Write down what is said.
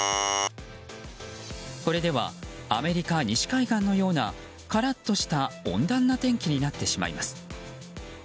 これではアメリカ西海岸のようなカラッとした温暖な天気になってしまいます。